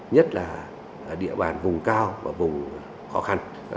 nhất là địa bàn vùng cao và vùng khó khăn